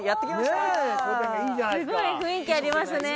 すごい雰囲気ありますね。